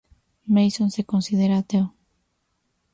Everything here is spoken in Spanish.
Mason se considera ateo.